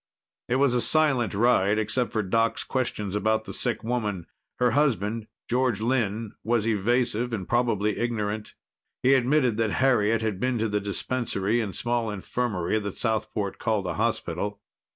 It was a silent ride, except for Doc's questions about the sick woman. Her husband, George Lynn, was evasive and probably ignorant. He admitted that Harriet had been to the dispensary and small infirmary that Southport called a hospital.